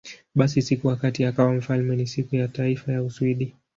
Basi, siku wakati akawa wafalme ni Siku ya Taifa ya Uswidi.